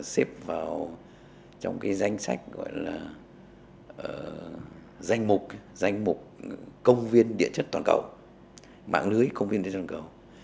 xếp vào trong cái danh sách gọi là danh mục công viên địa chất toàn cầu mạng lưới công viên địa chất toàn cầu